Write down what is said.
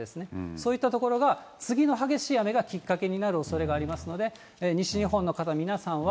そういった所が次の激しい雨がきっかけになるおそれがありますので、西日本の方、皆さんは、